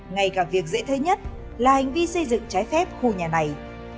ngay cả việc dễ thấy nhất là hành vi xây dựng trái phép khu nhà này